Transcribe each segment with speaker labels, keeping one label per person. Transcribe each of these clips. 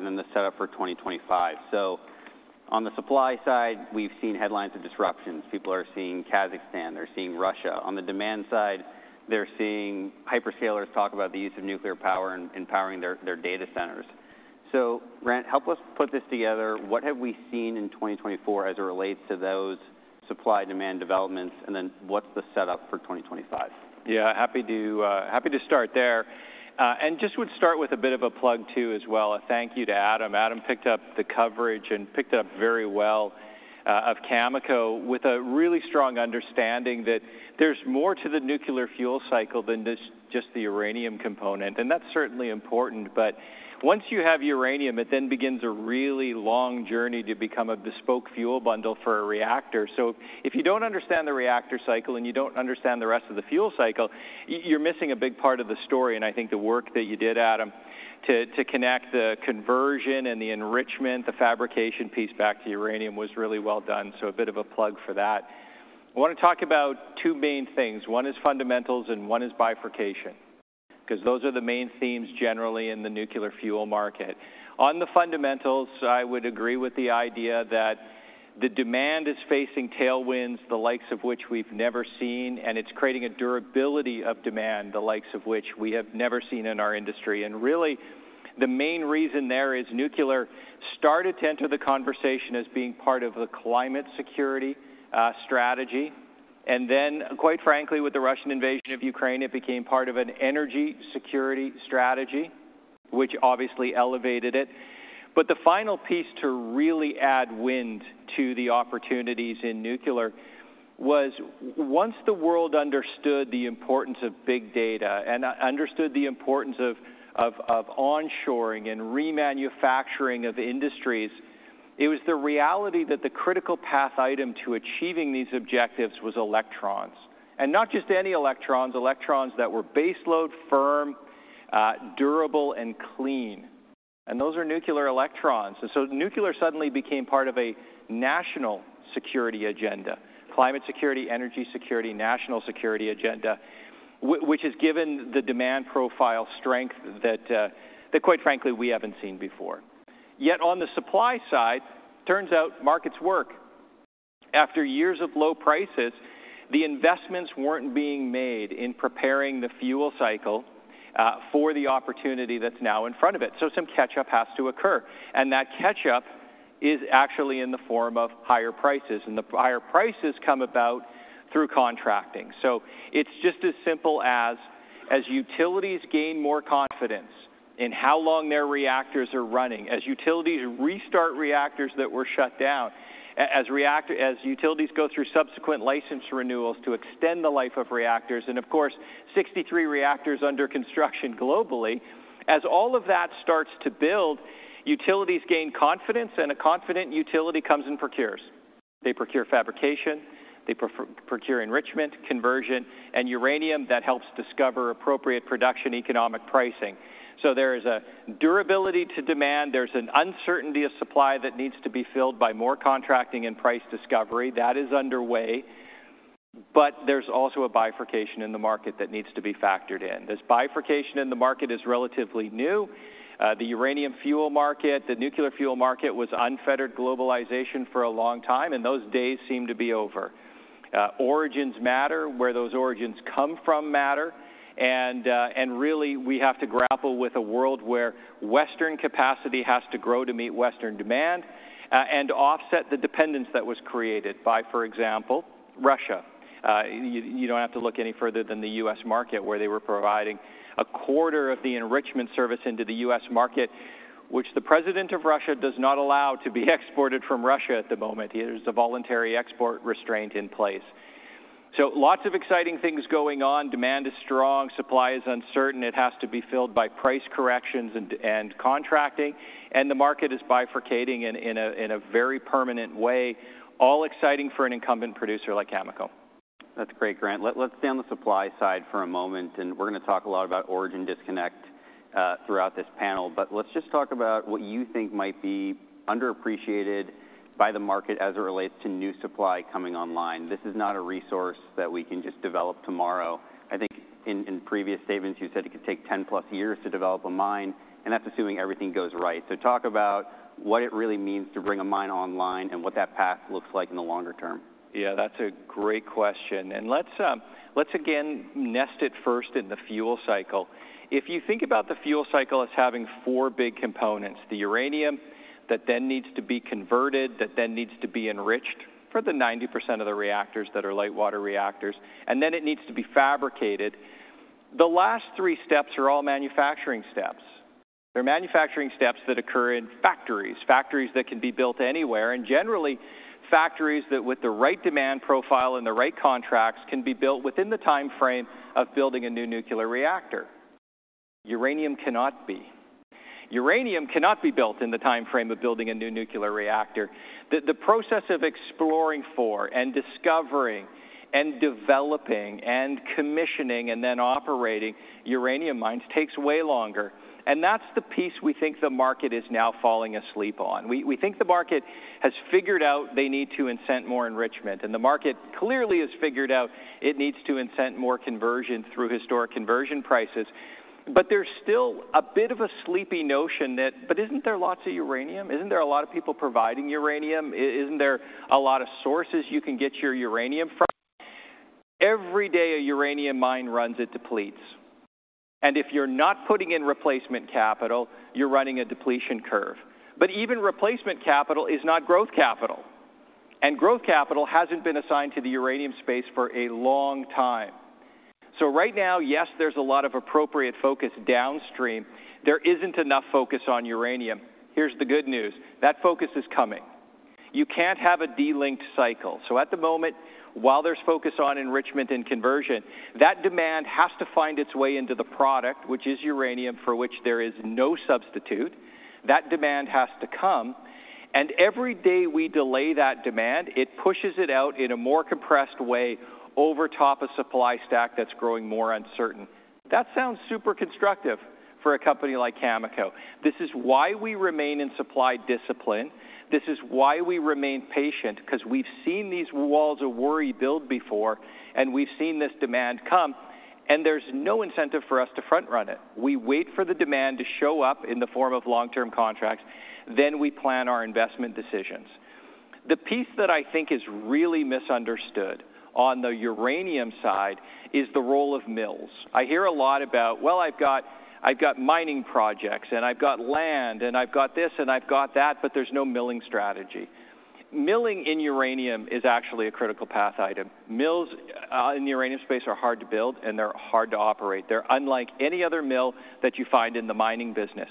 Speaker 1: And then the setup for 2025. So on the supply side, we've seen headlines of disruptions. People are seeing Kazakhstan, they're seeing Russia. On the demand side, they're seeing hyperscalers talk about the use of nuclear power and powering their data centers. So Grant, help us put this together. What have we seen in 2024 as it relates to those supply-demand developments, and then what's the setup for 2025?
Speaker 2: Yeah, happy to start there. And just would start with a bit of a plug too as well. A thank you to Adam. Adam picked up the coverage and picked it up very well of Cameco with a really strong understanding that there's more to the nuclear fuel cycle than just the uranium component. And that's certainly important. But once you have uranium, it then begins a really long journey to become a bespoke fuel bundle for a reactor. So if you don't understand the reactor cycle and you don't understand the rest of the fuel cycle, you're missing a big part of the story. And I think the work that you did, Adam, to connect the conversion and the enrichment, the fabrication piece back to uranium was really well done. So a bit of a plug for that. I want to talk about two main things. One is fundamentals and one is bifurcation, because those are the main themes generally in the nuclear fuel market. On the fundamentals, I would agree with the idea that the demand is facing tailwinds, the likes of which we've never seen, and it's creating a durability of demand, the likes of which we have never seen in our industry. And really, the main reason there is nuclear started to enter the conversation as being part of the climate security strategy. And then, quite frankly, with the Russian invasion of Ukraine, it became part of an energy security strategy, which obviously elevated it. But the final piece to really add wind to the opportunities in nuclear was once the world understood the importance of big data and understood the importance of onshoring and remanufacturing of industries, it was the reality that the critical path item to achieving these objectives was electrons. And not just any electrons, electrons that were baseload, firm, durable, and clean. And those are nuclear electrons. And so nuclear suddenly became part of a national security agenda, climate security, energy security, national security agenda, which has given the demand profile strength that, quite frankly, we haven't seen before. Yet on the supply side, turns out markets work. After years of low prices, the investments weren't being made in preparing the fuel cycle for the opportunity that's now in front of it. So some catch-up has to occur. And that catch-up is actually in the form of higher prices. And the higher prices come about through contracting. So it's just as simple as utilities gain more confidence in how long their reactors are running, as utilities restart reactors that were shut down, as utilities go through subsequent license renewals to extend the life of reactors. And of course, 63 reactors under construction globally. As all of that starts to build, utilities gain confidence, and a confident utility comes and procures. They procure fabrication, they procure enrichment, conversion, and uranium that helps discover appropriate production economic pricing. So there is a durability to demand. There's an uncertainty of supply that needs to be filled by more contracting and price discovery. That is underway. But there's also a bifurcation in the market that needs to be factored in. This bifurcation in the market is relatively new. The uranium fuel market, the nuclear fuel market was unfettered globalization for a long time, and those days seem to be over. Origins matter, where those origins come from matter. And really, we have to grapple with a world where Western capacity has to grow to meet Western demand and offset the dependence that was created by, for example, Russia. You don't have to look any further than the U.S. market, where they were providing a quarter of the enrichment service into the U.S. market, which the president of Russia does not allow to be exported from Russia at the moment. There's a voluntary export restraint in place. So lots of exciting things going on. Demand is strong, supply is uncertain. It has to be filled by price corrections and contracting. And the market is bifurcating in a very permanent way, all exciting for an incumbent producer like Cameco. That's great, Grant. Let's stay on the supply side for a moment, and we're going to talk a lot about origin disconnect throughout this panel, but let's just talk about what you think might be underappreciated by the market as it relates to new supply coming online. This is not a resource that we can just develop tomorrow. I think in previous statements, you said it could take 10+ years to develop a mine, and that's assuming everything goes right, so talk about what it really means to bring a mine online and what that path looks like in the longer term. Yeah, that's a great question, and let's again nest it first in the fuel cycle. If you think about the fuel cycle as having four big components, the uranium that then needs to be converted, that then needs to be enriched for the 90% of the reactors that are light water reactors, and then it needs to be fabricated, the last three steps are all manufacturing steps. They're manufacturing steps that occur in factories, factories that can be built anywhere, and generally factories that with the right demand profile and the right contracts can be built within the time frame of building a new nuclear reactor. Uranium cannot be. Uranium cannot be built in the time frame of building a new nuclear reactor. The process of exploring for and discovering and developing and commissioning and then operating uranium mines takes way longer. That's the piece we think the market is now falling asleep on. We think the market has figured out they need to incent more enrichment. The market clearly has figured out it needs to incent more conversion through historic conversion prices. There's still a bit of a sleepy notion that, but isn't there lots of uranium? Isn't there a lot of people providing uranium? Isn't there a lot of sources you can get your uranium from? Every day a uranium mine runs, it depletes. If you're not putting in replacement capital, you're running a depletion curve. Even replacement capital is not growth capital. Growth capital hasn't been assigned to the uranium space for a long time. Right now, yes, there's a lot of appropriate focus downstream. There isn't enough focus on uranium. Here's the good news. That focus is coming. You can't have a delinked cycle. So at the moment, while there's focus on enrichment and conversion, that demand has to find its way into the product, which is uranium, for which there is no substitute. That demand has to come. And every day we delay that demand, it pushes it out in a more compressed way over top of supply stack that's growing more uncertain. That sounds super constructive for a company like Cameco. This is why we remain in supply discipline. This is why we remain patient, because we've seen these walls of worry build before, and we've seen this demand come. And there's no incentive for us to front-run it. We wait for the demand to show up in the form of long-term contracts. Then we plan our investment decisions. The piece that I think is really misunderstood on the uranium side is the role of mills. I hear a lot about, well, I've got mining projects and I've got land and I've got this and I've got that, but there's no milling strategy. Milling in uranium is actually a critical path item. Mills in the uranium space are hard to build and they're hard to operate. They're unlike any other mill that you find in the mining business.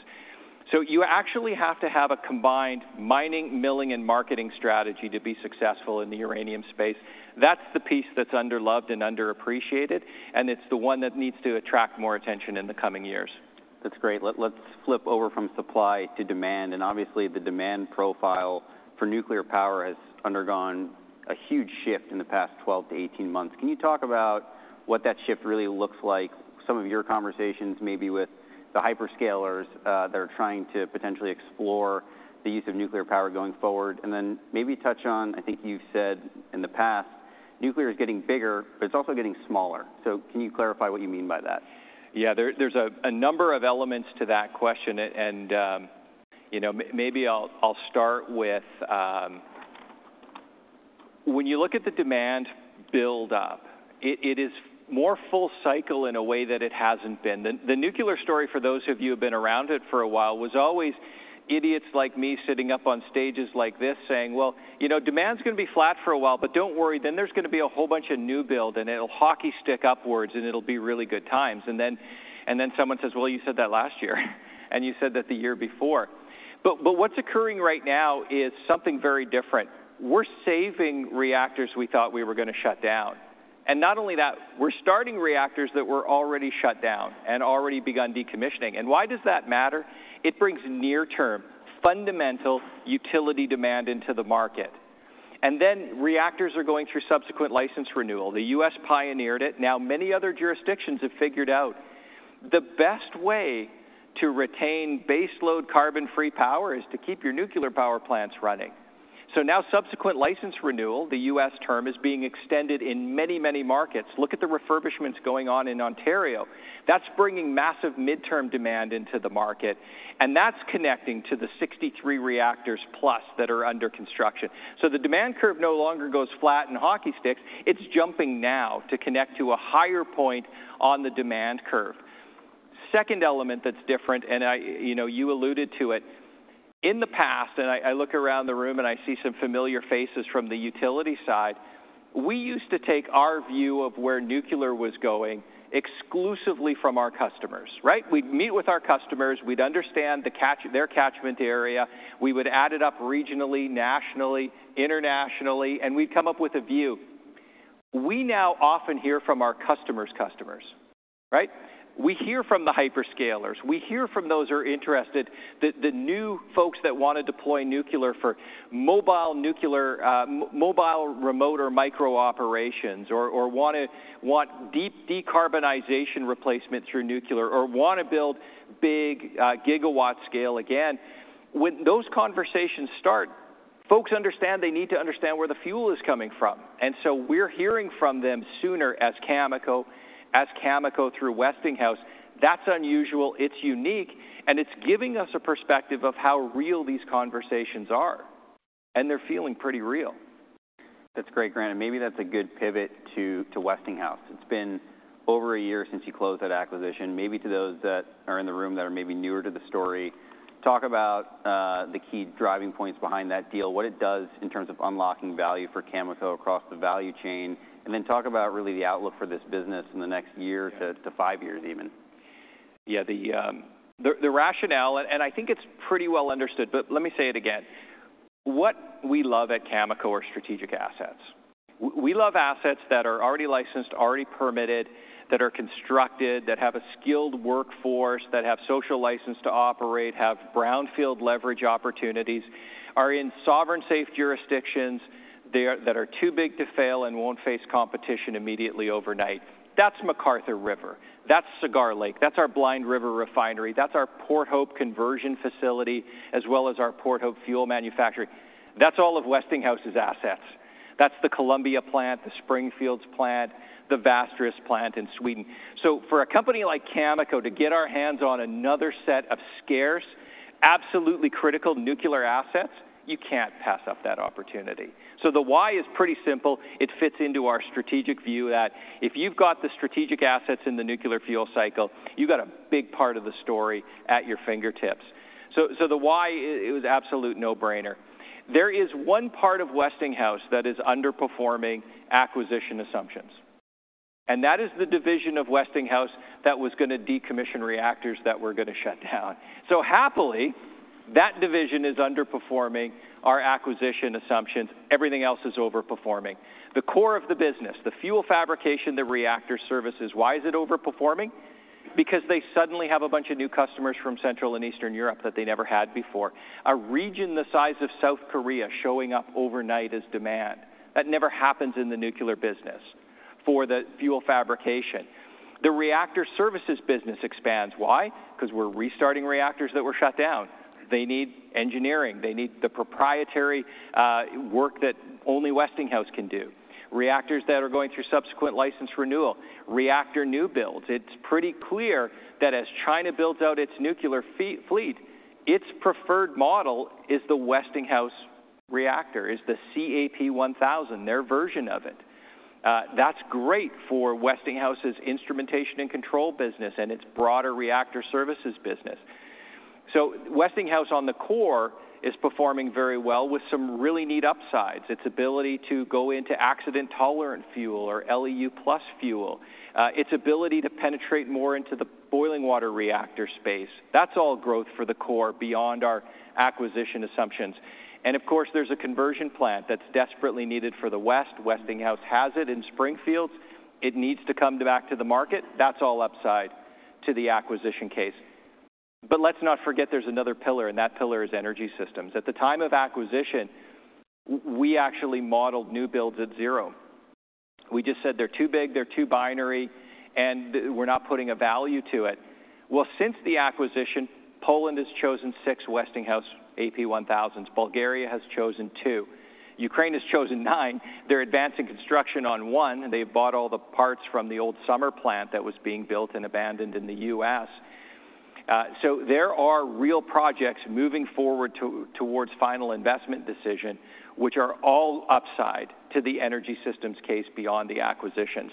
Speaker 2: So you actually have to have a combined mining, milling, and marketing strategy to be successful in the uranium space. That's the piece that's underloved and underappreciated. And it's the one that needs to attract more attention in the coming years. That's great. Let's flip over from supply to demand. And obviously, the demand profile for nuclear power has undergone a huge shift in the past 12 to 18 months. Can you talk about what that shift really looks like, some of your conversations maybe with the hyperscalers that are trying to potentially explore the use of nuclear power going forward? And then maybe touch on, I think you've said in the past, nuclear is getting bigger, but it's also getting smaller. So can you clarify what you mean by that? Yeah, there's a number of elements to that question. And maybe I'll start with when you look at the demand build-up. It is more full cycle in a way that it hasn't been. The nuclear story, for those of you who have been around it for a while, was always idiots like me sitting up on stages like this saying, well, you know demand's going to be flat for a while, but don't worry, then there's going to be a whole bunch of new build and it'll hockey stick upwards and it'll be really good times. And then someone says, well, you said that last year and you said that the year before. But what's occurring right now is something very different. We're saving reactors we thought we were going to shut down. And not only that, we're starting reactors that were already shut down and already begun decommissioning. And why does that matter? It brings near-term fundamental utility demand into the market. And then reactors are going through subsequent license renewal. The U.S. pioneered it. Now many other jurisdictions have figured out the best way to retain baseload carbon-free power is to keep your nuclear power plants running. So now subsequent license renewal, the U.S. term is being extended in many, many markets. Look at the refurbishments going on in Ontario. That's bringing massive midterm demand into the market. And that's connecting to the 63 reactors plus that are under construction. So the demand curve no longer goes flat and hockey sticks. It's jumping now to connect to a higher point on the demand curve. Second element that's different, and you alluded to it. In the past, and I look around the room and I see some familiar faces from the utility side, we used to take our view of where nuclear was going exclusively from our customers. We'd meet with our customers. We'd understand their catchment area. We would add it up regionally, nationally, internationally, and we'd come up with a view. We now often hear from our customers' customers. We hear from the hyperscalers. We hear from those who are interested, the new folks that want to deploy nuclear for mobile, remote, or micro operations or want deep decarbonization replacement through nuclear or want to build big gigawatt scale. Again, when those conversations start, folks understand they need to understand where the fuel is coming from. And so we're hearing from them sooner as Cameco, as Cameco through Westinghouse. That's unusual. It's unique. It's giving us a perspective of how real these conversations are. They're feeling pretty real. That's great, Grant. And maybe that's a good pivot to Westinghouse. It's been over a year since you closed that acquisition. Maybe to those that are in the room that are maybe newer to the story, talk about the key driving points behind that deal, what it does in terms of unlocking value for Cameco across the value chain, and then talk about really the outlook for this business in the next year to five years even. Yeah, the rationale, and I think it's pretty well understood, but let me say it again. What we love at Cameco are strategic assets. We love assets that are already licensed, already permitted, that are constructed, that have a skilled workforce, that have social license to operate, have brownfield leverage opportunities, are in sovereign safe jurisdictions that are too big to fail and won't face competition immediately overnight. That's McArthur River. That's Cigar Lake. That's our Blind River refinery. That's our Port Hope conversion facility, as well as our Port Hope fuel manufacturing. That's all of Westinghouse's assets. That's the Columbia plant, the Springfields plant, the Vasteras plant in Sweden. So for a company like Cameco to get our hands on another set of scarce, absolutely critical nuclear assets, you can't pass up that opportunity. So the why is pretty simple. It fits into our strategic view that if you've got the strategic assets in the nuclear fuel cycle, you've got a big part of the story at your fingertips, so the why, it was an absolute no-brainer. There is one part of Westinghouse that is underperforming acquisition assumptions, and that is the division of Westinghouse that was going to decommission reactors that were going to shut down, so happily, that division is underperforming our acquisition assumptions. Everything else is overperforming. The core of the business, the fuel fabrication, the reactor services, why is it overperforming? Because they suddenly have a bunch of new customers from Central and Eastern Europe that they never had before. A region the size of South Korea showing up overnight as demand. That never happens in the nuclear business for the fuel fabrication. The reactor services business expands. Why? Because we're restarting reactors that were shut down. They need engineering. They need the proprietary work that only Westinghouse can do. Reactors that are going through subsequent license renewal, reactor new builds. It's pretty clear that as China builds out its nuclear fleet, its preferred model is the Westinghouse reactor, is the AP1000, their version of it. That's great for Westinghouse's instrumentation and control business and its broader reactor services business. So Westinghouse on the core is performing very well with some really neat upsides. Its ability to go into accident tolerant fuel or LEU+ fuel, its ability to penetrate more into the boiling water reactor space. That's all growth for the core beyond our acquisition assumptions. And of course, there's a conversion plant that's desperately needed for the West. Westinghouse has it in Springfields. It needs to come back to the market. That's all upside to the acquisition case. But let's not forget there's another pillar, and that pillar is energy systems. At the time of acquisition, we actually modeled new builds at zero. We just said they're too big, they're too binary, and we're not putting a value to it. Well, since the acquisition, Poland has chosen six Westinghouse AP1000s. Bulgaria has chosen two. Ukraine has chosen nine. They're advancing construction on one. They've bought all the parts from the old Summer plant that was being built and abandoned in the U.S. So there are real projects moving forward towards final investment decision, which are all upside to the energy systems case beyond the acquisition.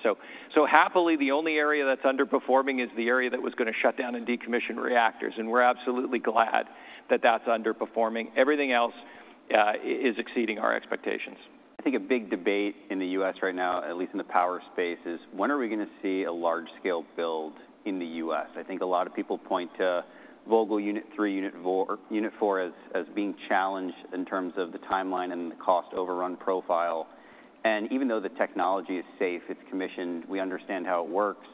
Speaker 2: So happily, the only area that's underperforming is the area that was going to shut down and decommission reactors. And we're absolutely glad that that's underperforming. Everything else is exceeding our expectations. I think a big debate in the U.S. right now, at least in the power space, is when are we going to see a large-scale build in the U.S.? I think a lot of people point to Vogtle Unit 3, Unit 4 as being challenged in terms of the timeline and the cost overrun profile. And even though the technology is safe, it's commissioned, we understand how it works.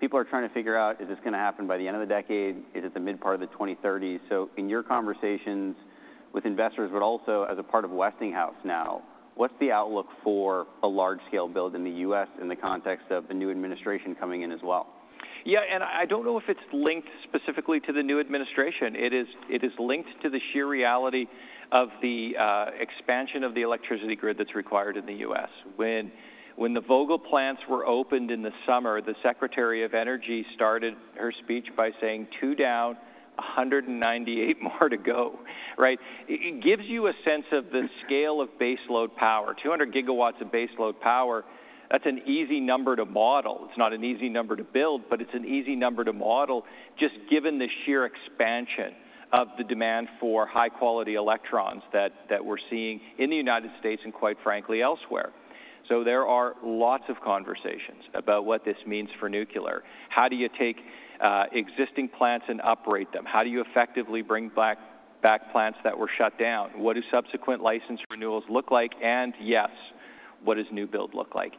Speaker 2: People are trying to figure out, is this going to happen by the end of the decade? Is it the mid part of the 2030s? So in your conversations with investors, but also as a part of Westinghouse now, what's the outlook for a large-scale build in the U.S. in the context of the new administration coming in as well? Yeah, and I don't know if it's linked specifically to the new administration. It is linked to the sheer reality of the expansion of the electricity grid that's required in the U.S. When the Vogtle plants were opened in the summer, the Secretary of Energy started her speech by saying, "Two down, 198 more to go." It gives you a sense of the scale of baseload power. 200 GW of baseload power, that's an easy number to model. It's not an easy number to build, but it's an easy number to model just given the sheer expansion of the demand for high-quality electrons that we're seeing in the United States and quite frankly elsewhere. So there are lots of conversations about what this means for nuclear. How do you take existing plants and operate them? How do you effectively bring back plants that were shut down? What do subsequent license renewals look like? And yes, what does new build look like?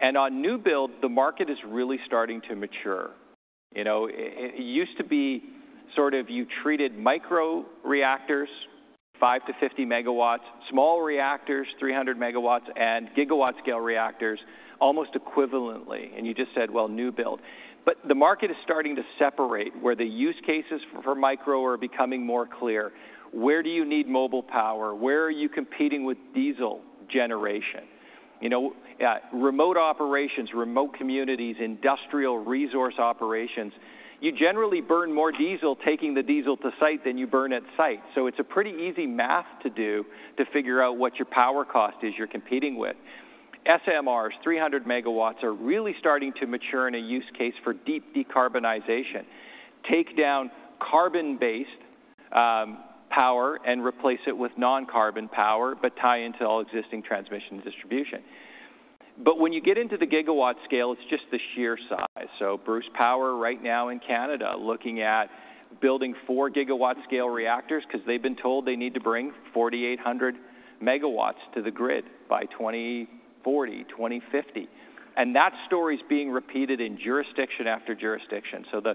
Speaker 2: And on new build, the market is really starting to mature. It used to be sort of you treated micro reactors, five to 50 MW, small reactors, 300 MW, and gigawatt scale reactors almost equivalently. And you just said, well, new build. But the market is starting to separate where the use cases for micro are becoming more clear. Where do you need mobile power? Where are you competing with diesel generation? Remote operations, remote communities, industrial resource operations, you generally burn more diesel taking the diesel to site than you burn at site. So it's a pretty easy math to do to figure out what your power cost is you're competing with. SMRs, 300 MW, are really starting to mature in a use case for deep decarbonization. Take down carbon-based power and replace it with non-carbon power, but tie into all existing transmission distribution, but when you get into the gigawatt scale, it's just the sheer size. So Bruce Power right now in Canada looking at building four gigawatt scale reactors because they've been told they need to bring 4,800 MW to the grid by 2040, 2050. And that story is being repeated in jurisdiction after jurisdiction. So the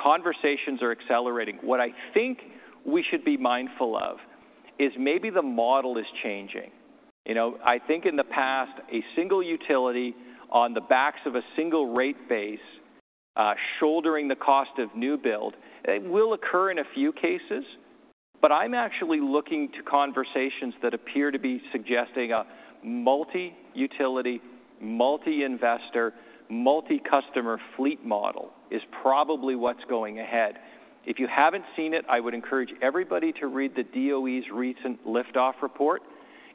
Speaker 2: conversations are accelerating. What I think we should be mindful of is maybe the model is changing. I think in the past, a single utility on the backs of a single rate base shouldering the cost of new build will occur in a few cases. But I'm actually looking to conversations that appear to be suggesting a multi-utility, multi-investor, multi-customer fleet model is probably what's going ahead. If you haven't seen it, I would encourage everybody to read the DOE's recent Liftoff Report.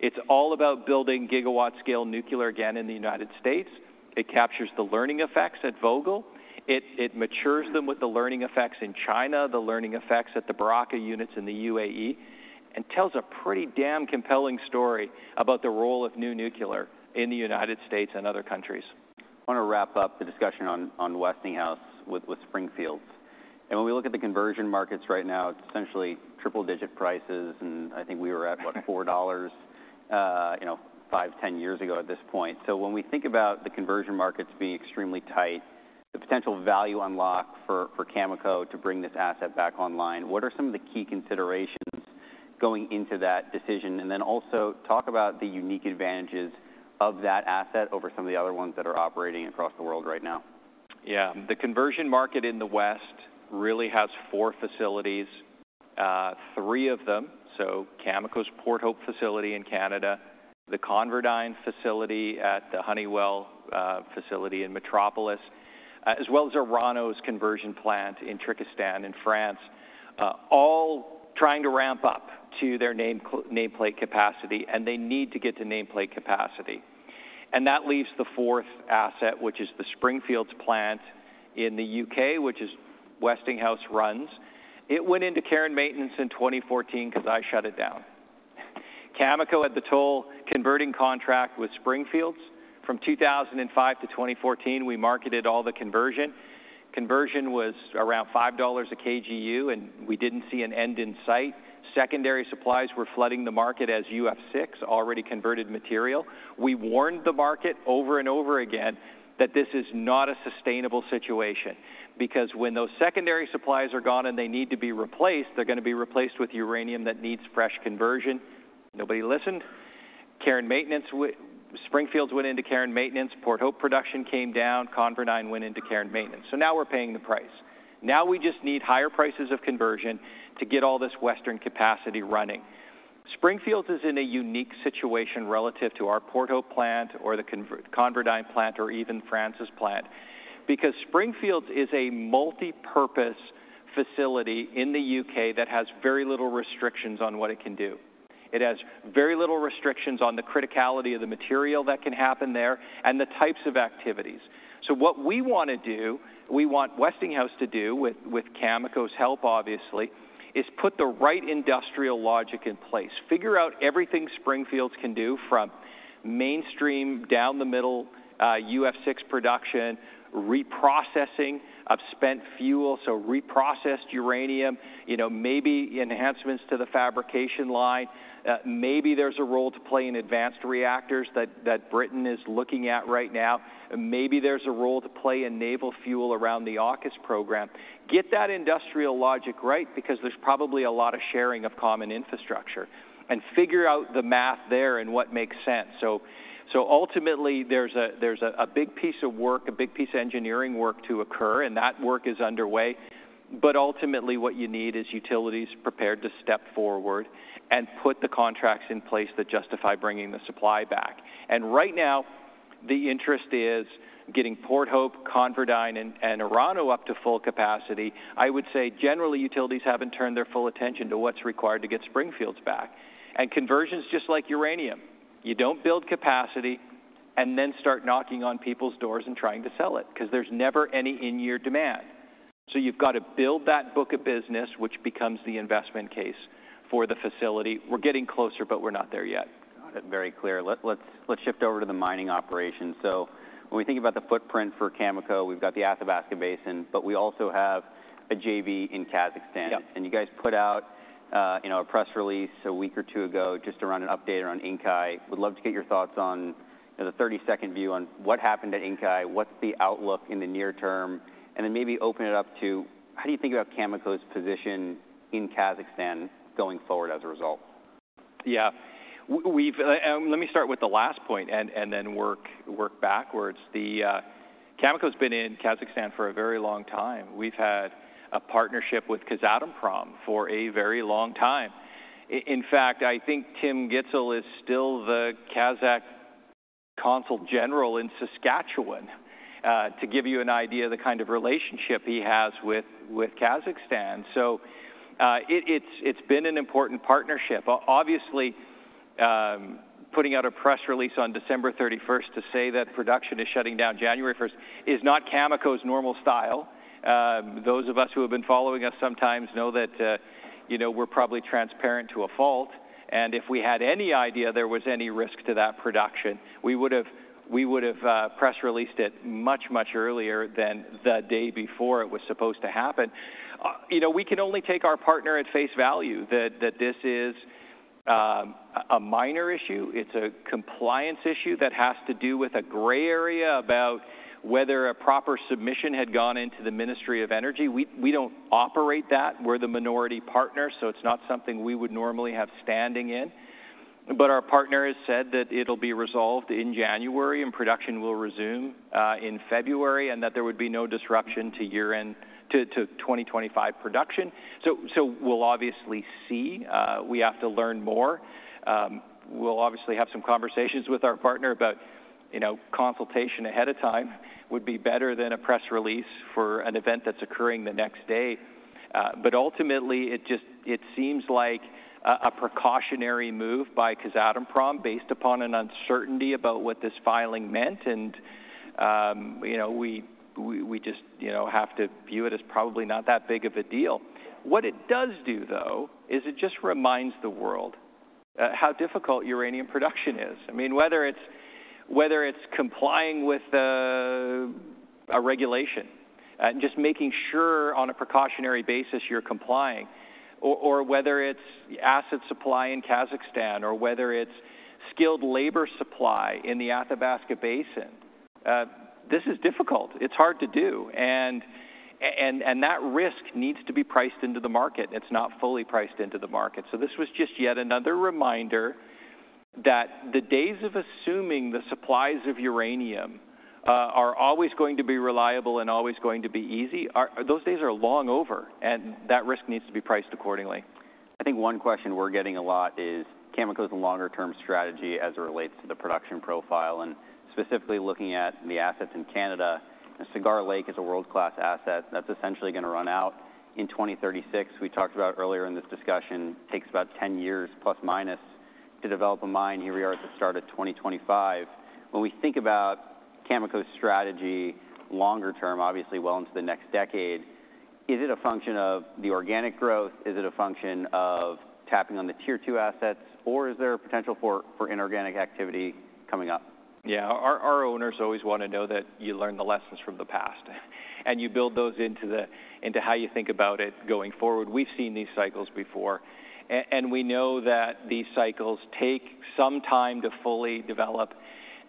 Speaker 2: It's all about building gigawatt scale nuclear again in the United States. It captures the learning effects at Vogtle. It matures them with the learning effects in China, the learning effects at the Barakah units in the UAE, and tells a pretty damn compelling story about the role of new nuclear in the United States and other countries. I want to wrap up the discussion on Westinghouse with Springfields. And when we look at the conversion markets right now, it's essentially triple-digit prices. And I think we were at what, $4, $5, $10 years ago at this point. So when we think about the conversion markets being extremely tight, the potential value unlock for Cameco to bring this asset back online, what are some of the key considerations going into that decision? And then also talk about the unique advantages of that asset over some of the other ones that are operating across the world right now. Yeah, the conversion market in the West really has four facilities, three of them. So Cameco's Port Hope facility in Canada, the ConverDyn facility at the Honeywell facility in Metropolis, as well as Orano's conversion plant in Tricastin in France, all trying to ramp up to their nameplate capacity, and they need to get to nameplate capacity. That leaves the fourth asset, which is the Springfields plant in the U.K., which Westinghouse runs. It went into care and maintenance in 2014 because I shut it down. Cameco had the toll conversion contract with Springfields. From 2005 to 2014, we marketed all the conversion. Conversion was around $5 a kgU, and we didn't see an end in sight. Secondary supplies were flooding the market as UF6 already converted material. We warned the market over and over again that this is not a sustainable situation because when those secondary supplies are gone and they need to be replaced, they're going to be replaced with uranium that needs fresh conversion. Nobody listened. Springfields went into care and maintenance. Port Hope production came down. ConverDyn went into care and maintenance. So now we're paying the price. Now we just need higher prices of conversion to get all this Western capacity running. Springfields is in a unique situation relative to our Port Hope plant or the ConverDyn plant or even France's plant because Springfields is a multi-purpose facility in the UK that has very little restrictions on what it can do. It has very little restrictions on the criticality of the material that can happen there and the types of activities. So what we want to do, we want Westinghouse to do with Cameco's help, obviously, is put the right industrial logic in place. Figure out everything Springfields can do from mainstream down the middle UF6 production, reprocessing of spent fuel, so reprocessed uranium, maybe enhancements to the fabrication line. Maybe there's a role to play in advanced reactors that Britain is looking at right now. Maybe there's a role to play in naval fuel around the AUKUS program. Get that industrial logic right because there's probably a lot of sharing of common infrastructure and figure out the math there and what makes sense. So ultimately, there's a big piece of work, a big piece of engineering work to occur, and that work is underway. But ultimately, what you need is utilities prepared to step forward and put the contracts in place that justify bringing the supply back. And right now, the interest is getting Port Hope, ConverDyn, and Orano up to full capacity. I would say generally utilities haven't turned their full attention to what's required to get Springfields back. And conversion's just like uranium. You don't build capacity and then start knocking on people's doors and trying to sell it because there's never any in-year demand. So you've got to build that book of business, which becomes the investment case for the facility. We're getting closer, but we're not there yet. Got it. Very clear. Let's shift over to the mining operations. So when we think about the footprint for Cameco, we've got the Athabasca Basin, but we also have a JV in Kazakhstan. And you guys put out a press release a week or two ago just around an update around Inkai. Would love to get your thoughts on the 30-second view on what happened at Inkai, what's the outlook in the near term, and then maybe open it up to how do you think about Cameco's position in Kazakhstan going forward as a result? Yeah. Let me start with the last point and then work backwards. Cameco's been in Kazakhstan for a very long time. We've had a partnership with Kazatomprom for a very long time. In fact, I think Tim Gitzel is still the Kazakh Consul General in Saskatchewan to give you an idea of the kind of relationship he has with Kazakhstan. So it's been an important partnership. Obviously, putting out a press release on December 31st to say that production is shutting down January 1st is not Cameco's normal style. Those of us who have been following us sometimes know that we're probably transparent to a fault. And if we had any idea there was any risk to that production, we would have press released it much, much earlier than the day before it was supposed to happen. We can only take our partner at face value that this is a minor issue. It's a compliance issue that has to do with a gray area about whether a proper submission had gone into the Ministry of Energy. We don't operate that. We're the minority partner, so it's not something we would normally have standing in. But our partner has said that it'll be resolved in January and production will resume in February and that there would be no disruption to 2025 production. So we'll obviously see. We have to learn more. We'll obviously have some conversations with our partner, but consultation ahead of time would be better than a press release for an event that's occurring the next day. But ultimately, it seems like a precautionary move by Kazatomprom based upon an uncertainty about what this filing meant. And we just have to view it as probably not that big of a deal. What it does do, though, is it just reminds the world how difficult uranium production is. I mean, whether it's complying with a regulation and just making sure on a precautionary basis you're complying, or whether it's acid supply in Kazakhstan, or whether it's skilled labor supply in the Athabasca Basin, this is difficult. It's hard to do. And that risk needs to be priced into the market. It's not fully priced into the market. So this was just yet another reminder that the days of assuming the supplies of uranium are always going to be reliable and always going to be easy, those days are long over, and that risk needs to be priced accordingly. I think one question we're getting a lot is Cameco's longer-term strategy as it relates to the production profile, and specifically looking at the assets in Canada, Cigar Lake is a world-class asset that's essentially going to run out in 2036. We talked about earlier in this discussion, it takes about 10 years plus minus to develop a mine. Here we are at the start of 2025. When we think about Cameco's strategy longer term, obviously well into the next decade, is it a function of the organic growth? Is it a function of tapping on the tier two assets? Or is there a potential for inorganic activity coming up? Yeah, our owners always want to know that you learn the lessons from the past and you build those into how you think about it going forward. We've seen these cycles before, and we know that these cycles take some time to fully develop,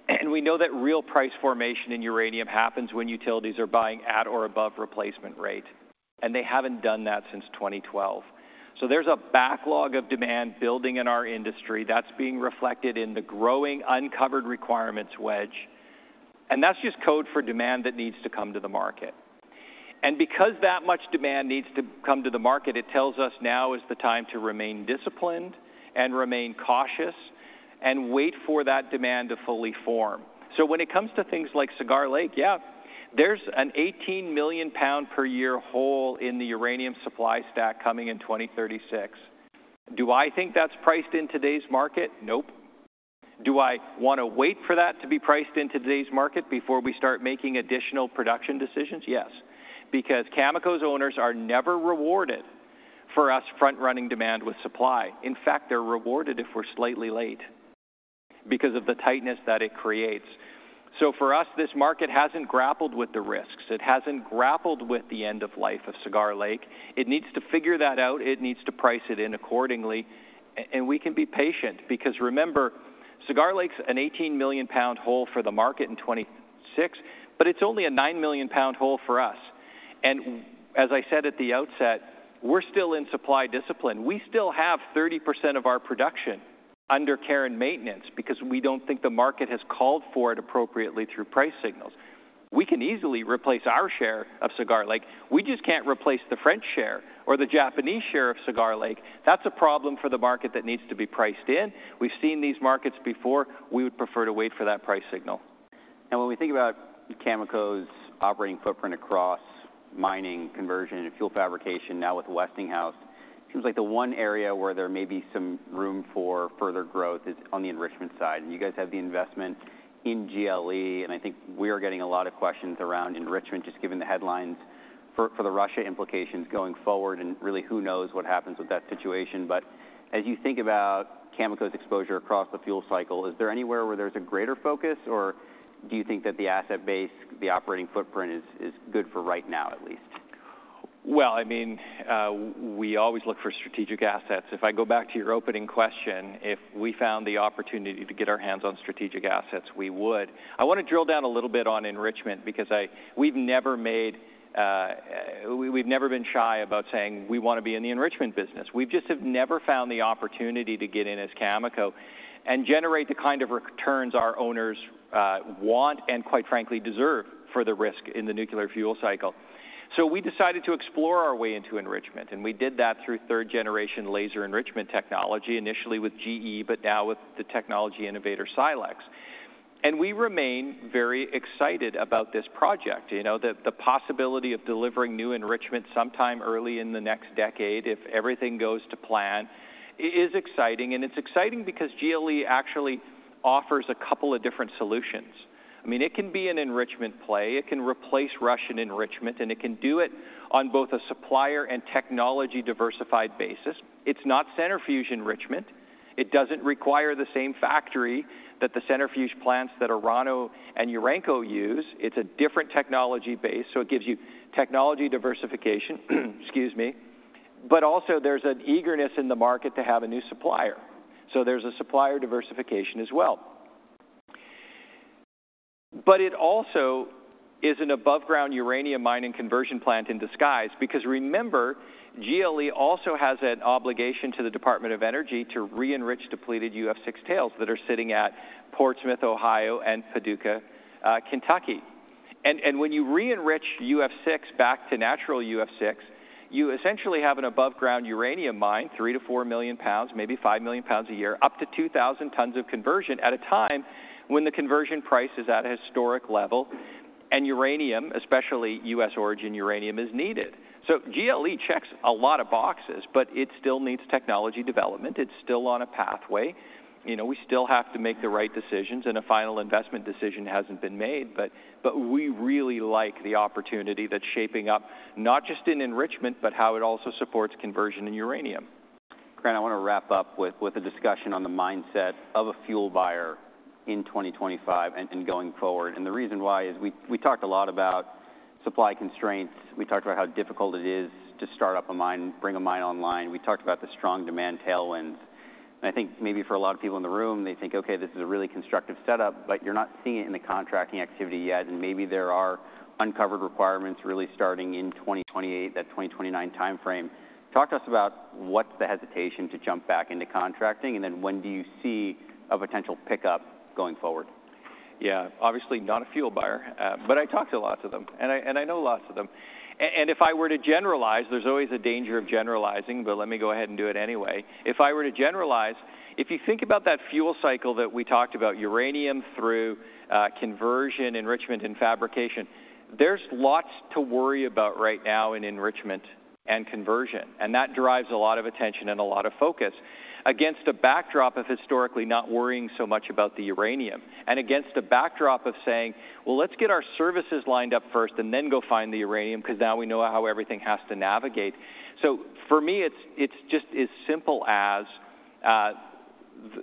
Speaker 2: and we know that real price formation in uranium happens when utilities are buying at or above replacement rate, and they haven't done that since 2012, so there's a backlog of demand building in our industry that's being reflected in the growing uncovered requirements wedge, and that's just code for demand that needs to come to the market, and because that much demand needs to come to the market, it tells us now is the time to remain disciplined and remain cautious and wait for that demand to fully form. So when it comes to things like Cigar Lake, yeah, there's an 18 million pounds per year hole in the uranium supply stack coming in 2036. Do I think that's priced in today's market? Nope. Do I want to wait for that to be priced into today's market before we start making additional production decisions? Yes. Because Cameco's owners are never rewarded for us front-running demand with supply. In fact, they're rewarded if we're slightly late because of the tightness that it creates. So for us, this market hasn't grappled with the risks. It hasn't grappled with the end of life of Cigar Lake. It needs to figure that out. It needs to price it in accordingly. And we can be patient because remember, Cigar Lake's an 18 million pounds hole for the market in 2026, but it's only a nine million pounds hole for us. As I said at the outset, we're still in supply discipline. We still have 30% of our production under care and maintenance because we don't think the market has called for it appropriately through price signals. We can easily replace our share of Cigar Lake. We just can't replace the French share or the Japanese share of Cigar Lake. That's a problem for the market that needs to be priced in. We've seen these markets before. We would prefer to wait for that price signal. Now, when we think about Cameco's operating footprint across mining, conversion, and fuel fabrication, now with Westinghouse, it seems like the one area where there may be some room for further growth is on the enrichment side. And you guys have the investment in GLE. And I think we are getting a lot of questions around enrichment, just given the headlines for the Russia implications going forward. And really, who knows what happens with that situation. But as you think about Cameco's exposure across the fuel cycle, is there anywhere where there's a greater focus, or do you think that the asset base, the operating footprint, is good for right now at least? Well, I mean, we always look for strategic assets. If I go back to your opening question, if we found the opportunity to get our hands on strategic assets, we would. I want to drill down a little bit on enrichment because we've never been shy about saying we want to be in the enrichment business. We just have never found the opportunity to get in as Cameco and generate the kind of returns our owners want and, quite frankly, deserve for the risk in the nuclear fuel cycle. So we decided to explore our way into enrichment. And we did that through third-generation laser enrichment technology, initially with GE, but now with the technology innovator Silex. And we remain very excited about this project. The possibility of delivering new enrichment sometime early in the next decade, if everything goes to plan, is exciting. It's exciting because GLE actually offers a couple of different solutions. I mean, it can be an enrichment play. It can replace Russian enrichment, and it can do it on both a supplier and technology diversified basis. It's not centrifuge enrichment. It doesn't require the same factory that the centrifuge plants that Orano and Urenco use. It's a different technology base. So it gives you technology diversification, excuse me. But also, there's an eagerness in the market to have a new supplier. So there's a supplier diversification as well. But it also is an above-ground uranium mining conversion plant in disguise because remember, GLE also has an obligation to the Department of Energy to re-enrich depleted UF6 tails that are sitting at Portsmouth, Ohio, and Paducah, Kentucky. When you re-enrich UF6 back to natural UF6, you essentially have an above-ground uranium mine, three to four million pounds, maybe five million pounds a year, up to 2,000 tons of conversion at a time when the conversion price is at a historic level and uranium, especially U.S. origin uranium, is needed. GLE checks a lot of boxes, but it still needs technology development. It's still on a pathway. We still have to make the right decisions, and a final investment decision hasn't been made. We really like the opportunity that's shaping up not just in enrichment, but how it also supports conversion in uranium. Grant, I want to wrap up with a discussion on the mindset of a fuel buyer in 2025 and going forward. And the reason why is we talked a lot about supply constraints. We talked about how difficult it is to start up a mine, bring a mine online. We talked about the strong demand tailwinds. And I think maybe for a lot of people in the room, they think, "Okay, this is a really constructive setup," but you're not seeing it in the contracting activity yet. And maybe there are uncovered requirements really starting in 2028, that 2029 timeframe. Talk to us about what's the hesitation to jump back into contracting, and then when do you see a potential pickup going forward? Yeah, obviously not a fuel buyer, but I talk to lots of them, and I know lots of them. And if I were to generalize, there's always a danger of generalizing, but let me go ahead and do it anyway. If I were to generalize, if you think about that fuel cycle that we talked about, uranium through conversion, enrichment, and fabrication, there's lots to worry about right now in enrichment and conversion. And that drives a lot of attention and a lot of focus against a backdrop of historically not worrying so much about the uranium and against a backdrop of saying, "Well, let's get our services lined up first and then go find the uranium because now we know how everything has to navigate." So for me, it's just as simple as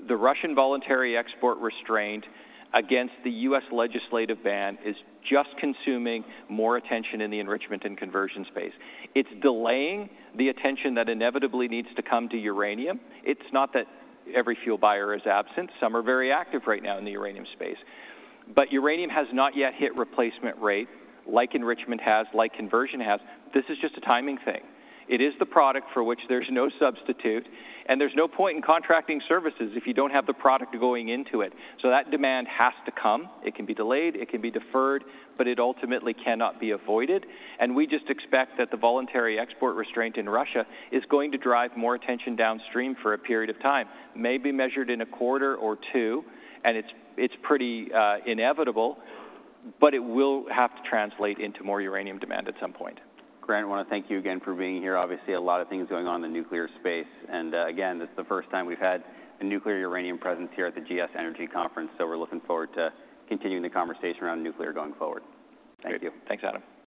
Speaker 2: the Russian voluntary export restraint against the U.S. legislative ban is just consuming more attention in the enrichment and conversion space. It's delaying the attention that inevitably needs to come to uranium. It's not that every fuel buyer is absent. Some are very active right now in the uranium space. But uranium has not yet hit replacement rate like enrichment has, like conversion has. This is just a timing thing. It is the product for which there's no substitute, and there's no point in contracting services if you don't have the product going into it, so that demand has to come. It can be delayed. It can be deferred, but it ultimately cannot be avoided, and we just expect that the voluntary export restraint in Russia is going to drive more attention downstream for a period of time, maybe measured in a quarter or two, and it's pretty inevitable, but it will have to translate into more uranium demand at some point. Grant, I want to thank you again for being here. Obviously, a lot of things going on in the nuclear space. And again, this is the first time we've had a nuclear uranium presence here at the GS Energy Conference. So we're looking forward to continuing the conversation around nuclear going forward. Thank you. Thanks, Adam.